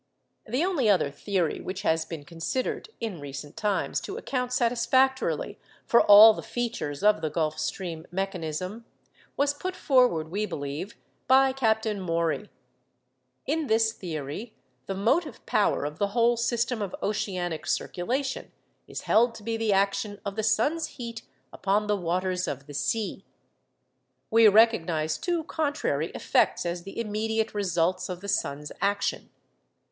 The only other theory which has been considered in recent times to account satisfactorily for all the features of the Gulf Stream mechanism was put forward, we believe, by Captain Maury. In this theory, the motive power of the whole system of oceanic circulation is held to be the action of the sun's heat upon the waters of the sea. We recognise two contrary effects as the immediate results of the sun's action.